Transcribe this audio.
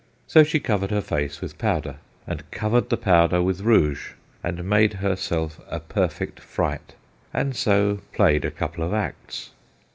So she covered her face with powder, and covered the powder with rouge, and made herself a perfect fright, and so played a couple of acts.